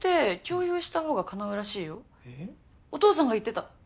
お父さんが言ってた。